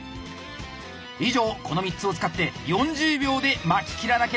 以上この３つを使って４０秒で巻ききらなければなりません。